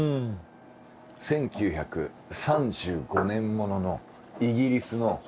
１９３５年もののイギリスの。